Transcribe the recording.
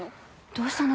どうしたの？